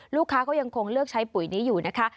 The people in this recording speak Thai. ลูกค้าก็ยังคงเลือกใช้ปุ๋ยนี้อยู่นะคะ